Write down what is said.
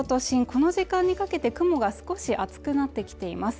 この時間にかけて雲が少し厚くなってきています